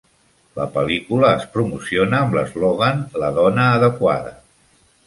La pel·lícula es promociona amb l'eslògan "La dona adequada".